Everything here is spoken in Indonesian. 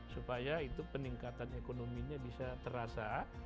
supaya itu peningkatan ekonominya bisa terasa